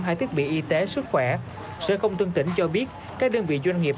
hay thiết bị y tế sức khỏe sở không tương tỉnh cho biết các đơn vị doanh nghiệp